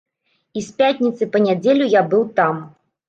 І з пятніцы па нядзелю я быў там.